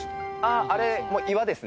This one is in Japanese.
あれ、岩ですね。